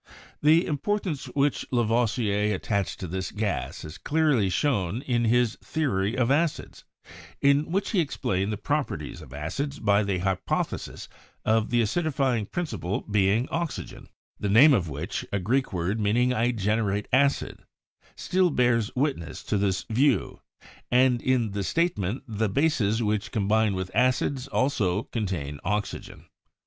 The importance which Lavoisier attached LAVOISIER 165 to this gas is clearly shown in his theory of acids, in which he explained the properties of acids by the hypothesis of the acidifying principle being oxygen, the name of which (d^vsyevvaoo, I generate acid) still bears witness to this view; and in the statement that the bases which combine with acids also contain oxygen.